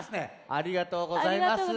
ありがとうございます。